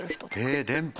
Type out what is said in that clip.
え電波。